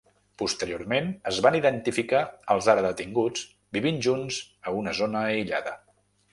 Posteriorment es van identificar els ara detinguts vivint junts a una zona aïllada.